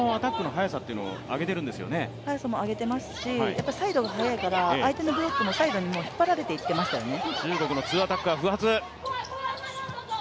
速さもあげていますし、サイドが速いから相手のブロックもサイドに引っ張られていっていましたよね。